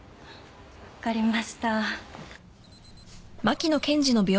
分かりました。